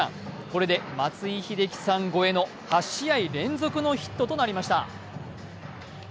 これで松井秀喜さん超えの８試合連続のヒットとなりました。